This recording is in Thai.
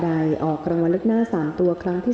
จะใช้อุปกรณ์ออกรางวัลหลักที่๕